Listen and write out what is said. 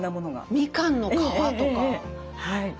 みかんの皮とか。